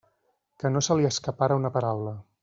Que no se li escapara una paraula!